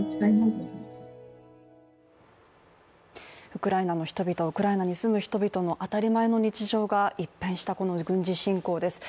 ウクライナの人々、ウクライナに住む人々の当たり前の日常が一変した軍事侵攻です。